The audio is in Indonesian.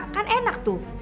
kan enak tuh